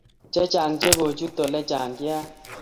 chechang che kochut ole chang cheyach